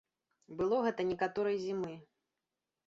Было гэта некаторай зімы.